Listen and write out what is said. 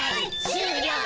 しゅうりょう